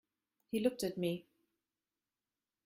He looked at me.